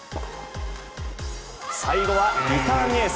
最後はリターンエース。